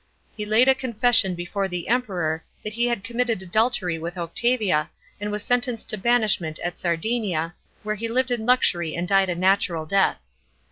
He laid a confession before the Kmperor that he had committed adultery with Octavia, and was sentenced to banishment to Sardinia, w ere he lived in luxury and died a natural death.